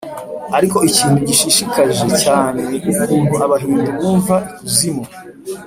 ariko ikintu gishishikaje cyane ni ukuntu abahindu bumva ikuzimu.